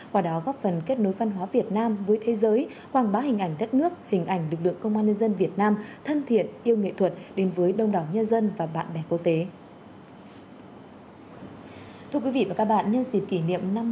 qua đó góp phần kết nối văn hóa việt nam với thế giới quảng bá hình ảnh đất nước hình ảnh lực lượng công an nhân dân việt nam thân thiện yêu nghệ thuật đến với đông đảo nhân dân và bạn bè quốc tế